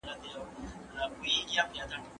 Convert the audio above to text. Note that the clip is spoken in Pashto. موږ ته په کار ده چي مځکه له بدبختۍ وژغورو.